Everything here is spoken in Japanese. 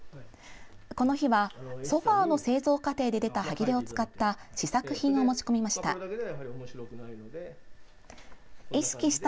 この日はソファーの製造過程で出たはぎれを使った試作品を持ち込みました。